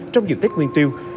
trong dự tích nguyên tiêu